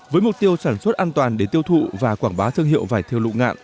với mục tiêu sản xuất an toàn để tiêu thụ và quảng bá thương hiệu vải thiêu lụ ngạn